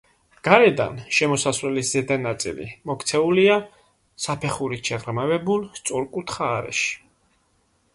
გარედან, შესასვლელის ზედა ნაწილი, მოქცეულია საფეხურით შეღრმავებულ, სწორკუთხა არეში.